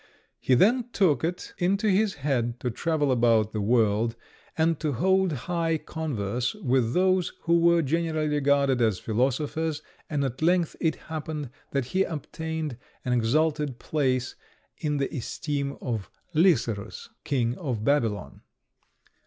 He then took it into his head to travel about the world, and to hold high converse with those who were generally regarded as philosophers; and at length it happened that he obtained an exalted place in the esteem of Lycerus, King of Babylon.